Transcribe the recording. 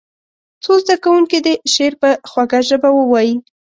څو زده کوونکي دې شعر په خوږه ژبه ووایي.